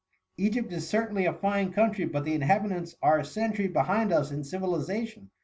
Egypt is certainly a fine country, but the inhabitants are a century behind us in civilization.''